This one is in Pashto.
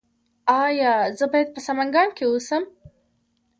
ایا زه باید په سمنګان کې اوسم؟